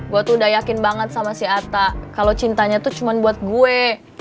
gue tuh udah yakin banget sama si atta kalau cintanya tuh cuma buat gue